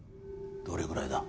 どれぐらいだ？